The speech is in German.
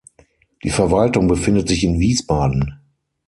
Die Verwaltung befindet sich in Wiesbaden.